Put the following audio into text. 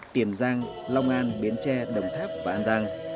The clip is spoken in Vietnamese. tiền giang long an bến tre đồng tháp và an giang